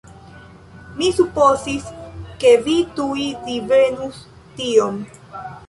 Mi supozis, ke vi tuj divenus tion.